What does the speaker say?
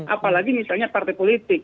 apalagi misalnya partai politik